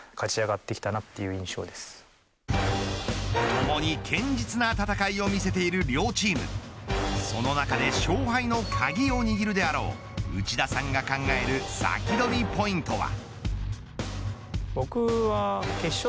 ともに堅実な戦いを見せている両チームその中で勝敗の鍵を握るであろう内田さんが考える先取りポイントは。